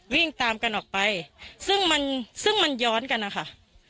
วิ่งตามกันออกไปซึ่งมันย้อนกันอ่ะค่ะ